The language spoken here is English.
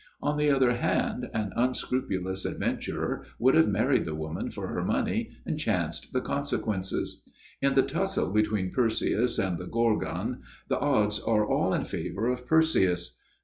On the other hand, an unscrupulous adventurer would have married the woman for her money and chanced the consequences. In the tussle between Perseus and the Gorgon the odds are all in favour of Perseus.